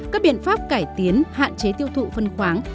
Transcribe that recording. các biện pháp cải tiến hạn chế tiêu thụ phân khoáng